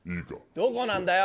どこなんだよ？